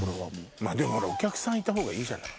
まぁでもほらお客さんいたほうがいいじゃない。